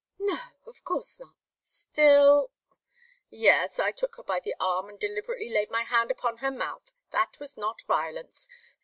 "No of course not! Still " "Yes. I took her by the arm and deliberately laid my hand upon her mouth. That was not violence.